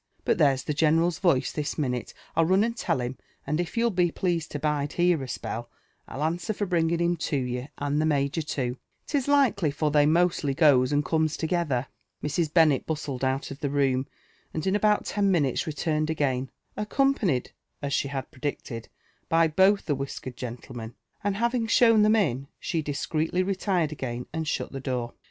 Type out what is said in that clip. But there's {h» general's voice this minulc, I'll run and tell him; and if you'll be pleased to bide here a spell, I'll answer for bringing him to yoUr««* and Ihe major, too, 'tis likely, for they mostly goes and eomea together." Mrs. Bennet bustled out of the room, and in about ten minutes re * iurned again, accompanied, as she had predicted, by both the wisia kered gentlemen ; and having shown them in, she discreetly retired again and shut the door.